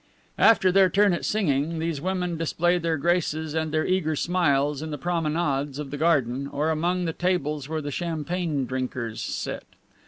After their turn at the singing, these women display their graces and their eager smiles in the promenades of the garden or among the tables where the champagne drinkers sit.